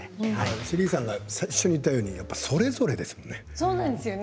ＳＨＥＬＬＹさんが最初に言ったようにそれぞれですよね